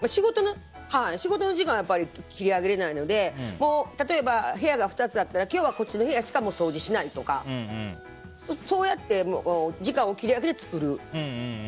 仕事の時間は切り上げれないので例えば、部屋が２つあったら今日はこっちの部屋しか掃除しないとかそうやって、時間を切り上げて作る。